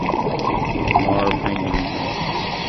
Mar Panganiban.